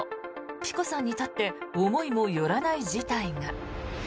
ｐｉｃｏさんにとって思いもよらない事態が。